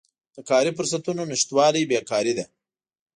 د کاري فرصتونو نشتوالی بیکاري ده.